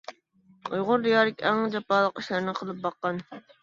ئۇيغۇر دىيارىدىكى ئەڭ جاپالىق ئىشلارنى قىلىپ باققان.